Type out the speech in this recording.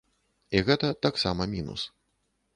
І гэта таксама мінус.